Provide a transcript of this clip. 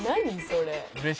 それ」